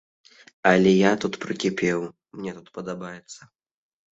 Але я тут прыкіпеў, мне тут падабаецца.